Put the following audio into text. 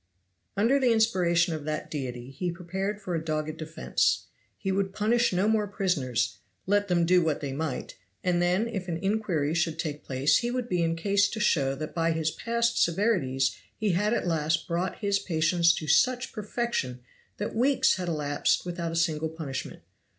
Under the inspiration of that deity he prepared for a dogged defense. He would punish no more prisoners, let them do what they might, and then if an inquiry should take place he would be in case to show that by his past severities he had at last brought his patients to such perfection that weeks had elapsed without a single punishment.